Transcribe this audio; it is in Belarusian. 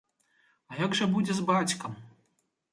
А як жа будзе з бацькам?